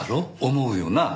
思うよな？